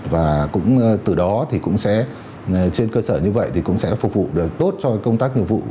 và từ đó trên cơ sở như vậy cũng sẽ phục vụ tốt cho công tác nhiệm vụ